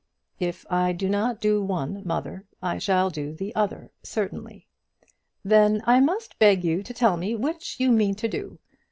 "If I do not do one, mother, I shall do the other certainly." "Then I must beg you to tell me which you mean to do.